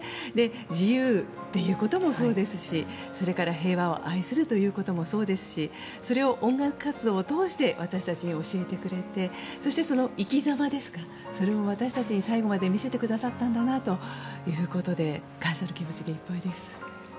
自由ということもそうですしそれから平和を愛するということもそうですしそれを音楽活動を通して私たちに教えてくれてそして、その生き様ですかそれも私たちに最後まで見せてくださったんだなということで感謝の気持ちでいっぱいです。